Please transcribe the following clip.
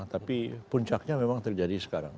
tapi puncaknya memang terjadi sekarang